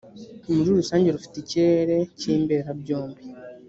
muri rusange rufite ikirere cy imberabyombi